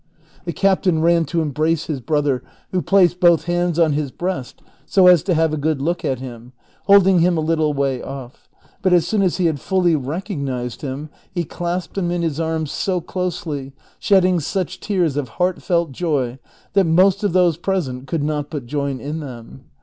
The captain ran to embrace his brother, who placed both hands on his breast so as to have a good look at him, holding him a little way off ; but as soon as he had fully recognized him he clasped him in his arms so closely, shedding such tears of heartfelt joy, that most of those present could not but join in them.